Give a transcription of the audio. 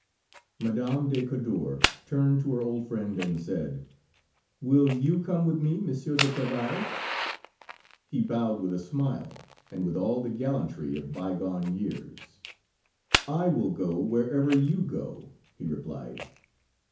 Madame de Cadour turned to her old friend and said: "Will you come with me, Monsieur d'Apreval?" He bowed with a smile, and with all the gallantry of by gone years: "I will go wherever you go," he replied.